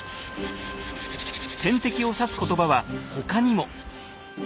天敵を指す言葉は他にも。